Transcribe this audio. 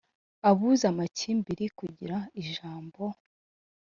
Abuza amakimbiri kugira ijambo